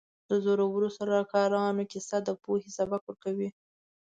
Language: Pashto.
د زړورو سلاکارانو کیسه د پوهې سبق ورکوي.